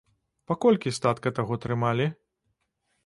Па колькі статка таго трымалі?